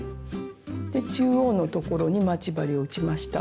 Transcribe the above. で中央のところに待ち針を打ちました。